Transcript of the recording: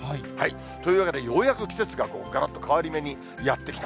というわけで、ようやく季節ががらっと変わり目にやってきた。